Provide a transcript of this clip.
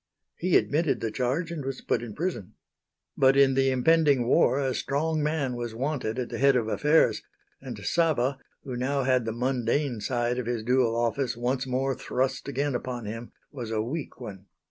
He admitted the charge and was put in prison. But in the impending war a strong man was wanted at the head of affairs; and Sava, who now had the mundane side of his dual office once more thrust again upon him, was a weak one.